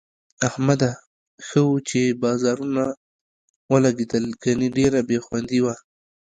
احمده! ښه وو چې بازارونه ولږېدل، گني ډېره بې خوندي وه.